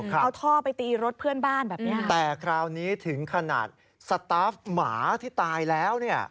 เอาท่อไปตีรถเพื่อนบ้านแบบเนี้ยแต่คราวนี้ถึงขนาดสตาฟหมาที่ตายแล้วเนี่ย